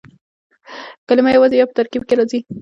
کلیمه یوازي یا په ترکیب کښي راځي.